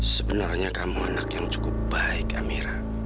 sebenarnya kamu anak yang cukup baik amira